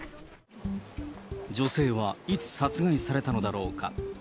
女性はいつ殺害されたのだろうか。